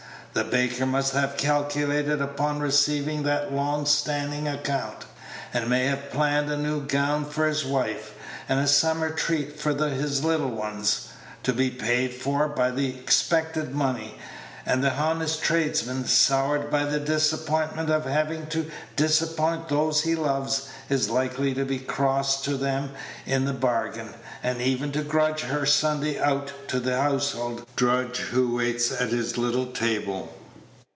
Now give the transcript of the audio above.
The baker may have calculated upon receiving that long standing account, and may have planned a new gown for his wife, and a summer treat for his little ones, to be paid for by the expected money; and the honest tradesman, soured by the disappointment of having to disappoint those he loves, is likely to be cross to them in the bargain, and even to grudge her Sunday out to the household drudge who waits at his little table.